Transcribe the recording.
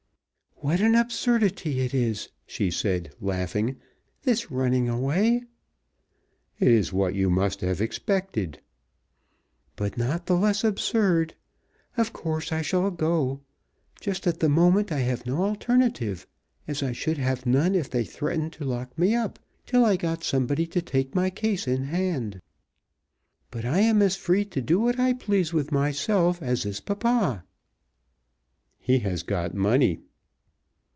"What an absurdity it is," she said, laughing, "this running away." "It is what you must have expected." "But not the less absurd. Of course I shall go. Just at the moment I have no alternative; as I should have none if they threatened to lock me up, till I got somebody to take my case in hand. But I am as free to do what I please with myself as is papa." "He has got money."